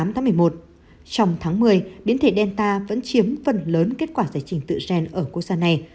trong tháng một mươi biến thể delta vẫn chiếm phần lớn kết quả giải trình tựa gen ở quốc gia này